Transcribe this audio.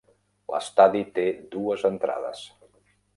L'estadi té dues entrades.